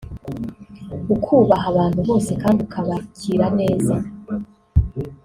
ukubaha abantu bose kandi ukabakira neza